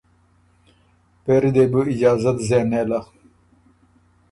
پېری دې بو اجازت زېن نېله۔